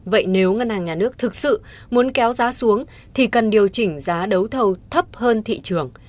vậy nếu ngân hàng nhà nước thực sự muốn kéo giá xuống thì cần điều chỉnh giá đấu thầu thấp hơn thị trường